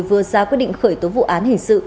vừa ra quyết định khởi tố vụ án hình sự